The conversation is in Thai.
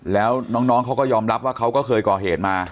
แล้วน้องเขาก็ยอมรับว่าเขาก็เคยก่อเหตุมา